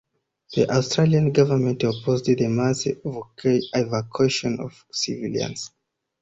The Australian Government opposed the mass evacuation of civilians.